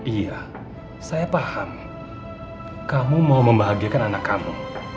iya saya paham kamu mau membahagiakan anak kamu